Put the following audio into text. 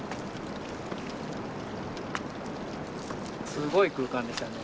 すごい空間でしたね。